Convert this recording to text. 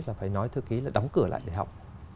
là phải nói thư ký là đóng cửa lại để học